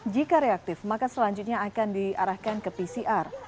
jika reaktif maka selanjutnya akan diarahkan ke pcr